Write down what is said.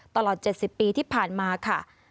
ตลอด๗๐ปีที่ผ่านมาค่ะ